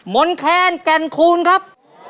มนต์แคนแก่นคูณครับ